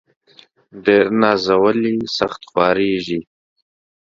ډير نازولي ، سخت خوارېږي.